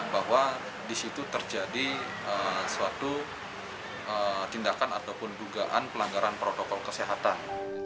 bahwa di situ terjadi suatu tindakan ataupun dugaan pelanggaran protokol kesehatan